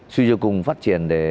suy cho cùng phát triển để